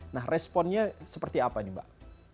nah responnya seperti apa nih mbak